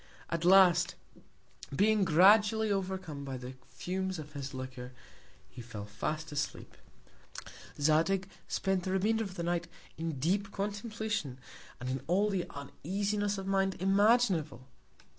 At last, being gradually overcome by the Fumes of his Liquor, he fell fast asleep. Zadig spent the Remainder of the Night in deep Contemplation, and in all the Uneasiness of Mind imaginable.